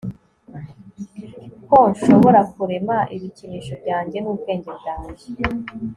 ko nshobora kurema ibikinisho byanjye n'ubwenge bwanjye